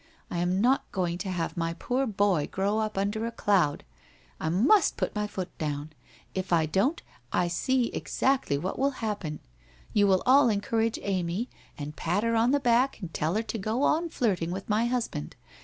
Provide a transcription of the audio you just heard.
I am not going to have my boy grow up under a cloud. I must put my foot down. If I don't, I see ex actly what will happen. You will all encourage Amy and pat her on the back and tell her to go on flirting with my husband.